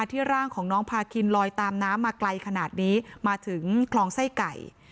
ร่างของน้องพาคินลอยตามน้ำมาไกลขนาดนี้มาถึงคลองไส้ไก่